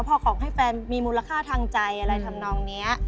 พอของให้แฟนมีมูลค่าทางใจอะไรทำนองนี้